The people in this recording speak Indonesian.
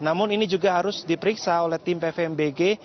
namun ini juga harus diperiksa oleh tim pvmbg